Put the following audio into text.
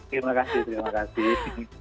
terima kasih terima kasih